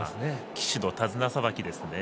騎手の手綱さばきですね。